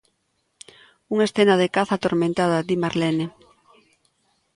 "Unha escena de caza atormentada", di Marlene.